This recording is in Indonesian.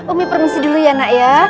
umi permisi dulu ya nak ya